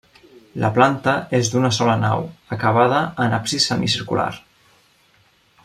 La planta és d'una sola nau, acabada en absis semicircular.